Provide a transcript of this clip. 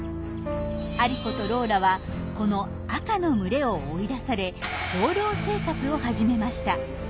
アリコとローラはこの赤の群れを追い出され放浪生活を始めました。